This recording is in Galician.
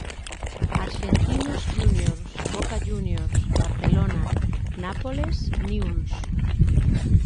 Arxentinos Júniors, Boca Júniors, Barcelona, Nápoles, Niuls.